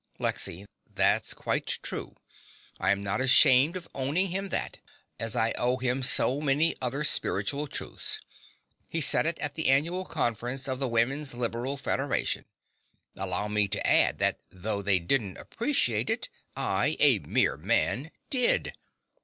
LEXY. That's quite true. I am not ashamed of owing him that, as I owe him so many other spiritual truths. He said it at the annual conference of the Women's Liberal Federation. Allow me to add that though they didn't appreciate it, I, a mere man, did.